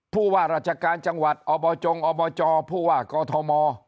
ผู้ว่าราชการจังหวัดอบจงอบจผู้ว่ากอทม